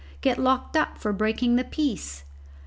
Get locked up for breaking the peace?